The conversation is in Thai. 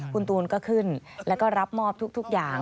คุณตูนก็ขึ้นแล้วก็รับมอบทุกอย่าง